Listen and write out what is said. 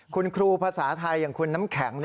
คุณครูภาษาไทยอย่างคุณน้ำแข็ง